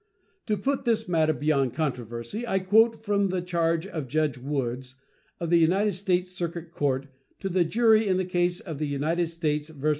To put this matter beyond controversy I quote from the charge of Judge Woods, of the United States circuit court, to the jury in the case of The United States vs.